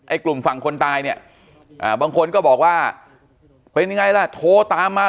กลุ่มฝั่งคนตายเนี่ยบางคนก็บอกว่าเป็นยังไงล่ะโทรตามมา